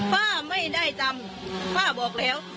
ป้าไม่ได้จำป้าบอกแล้ว